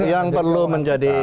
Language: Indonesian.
yang perlu menjadi